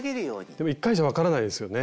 でも１回じゃ分からないですよね。